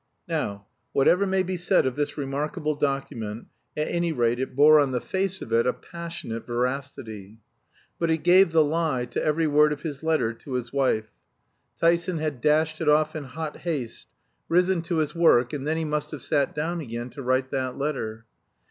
Now, whatever may be said of this remarkable document, at any rate it bore on the face of it a passionate veracity. But it gave the lie to every word of his letter to his wife. Tyson had dashed it off in hot haste, risen to his work, and then he must have sat down again to write that letter.